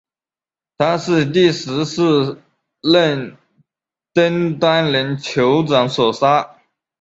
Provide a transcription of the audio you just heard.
他是第十四任登丹人酋长所杀。